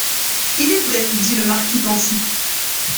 Il est vrai, dit le marquis pensif.